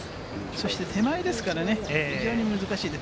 そして手前ですからね、非常に難しいです。